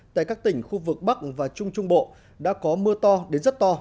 tại các tỉnh khu vực bắc và trung trung bộ đã có mưa to đến rất to